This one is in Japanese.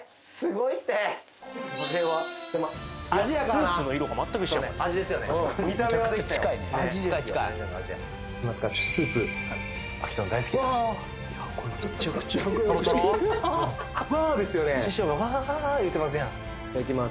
いただきます